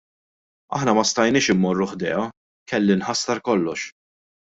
Aħna ma stajniex immorru ħdejha - kelli nħassar kollox.